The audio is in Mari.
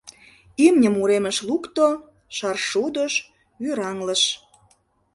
Имньым уремыш лукто, шаршудыш вӱраҥлыш.